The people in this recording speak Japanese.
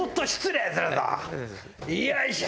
よいしょ。